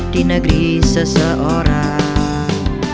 di negeri seseorang